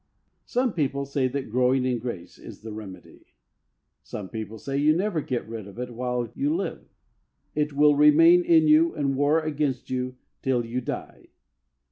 Some people say that growing in grace is the remedy. Some people say you never get rid of it while you live. It will remain in you and war against you till you die.